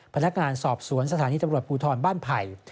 พนักงานสอบสวนสถานีตำรวจภูทรบ้านไผ่